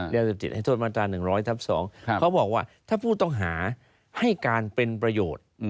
ยาเสพติดให้โทษมาตรา๑๐๐ทับ๒เขาบอกว่าถ้าผู้ต้องหาให้การเป็นประโยชน์